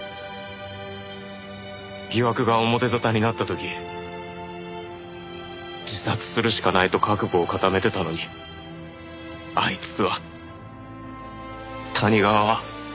疑惑が表沙汰になった時自殺するしかないと覚悟を固めてたのにあいつは谷川は。